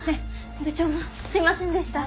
部長もすいませんでした。